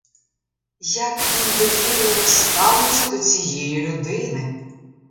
Як він довірливо ставиться до цієї людини!